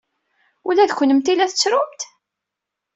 Ula d kennemti la tettrumt?